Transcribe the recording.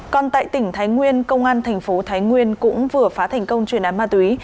còn tại tỉnh thái nguyên công an tp thái nguyên cũng vừa phá thành công truyền án ma túy